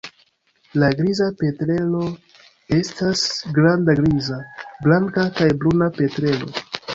La Griza petrelo estas granda griza, blanka kaj bruna petrelo.